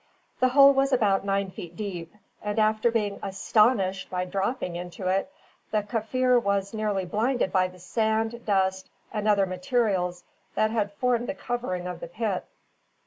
The hole was about nine feet deep; and after being astonished by dropping into it, the Kaffir was nearly blinded by the sand, dust, and other materials that had formed the covering of the pit.